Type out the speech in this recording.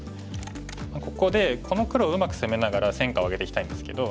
ここでこの黒をうまく攻めながら戦果を上げていきたいんですけど。